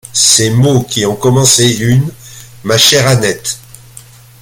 Ces mots qui en commençaient une: « Ma chère Annette...